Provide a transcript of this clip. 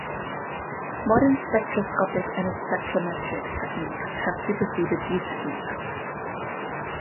Modern spectroscopic and spectrometric techniques have superseded these techniques.